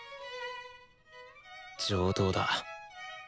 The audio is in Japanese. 上等だ。